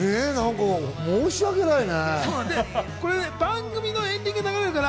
申しわけないね。